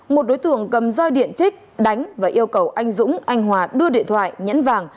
một đối tượng cầm roi điện trích đánh và yêu cầu anh dũng anh hòa đưa điện thoại nhẫn vàng